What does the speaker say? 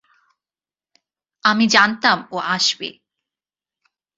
আমি জানতাম ও আসবে।